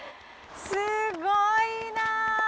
すごいな！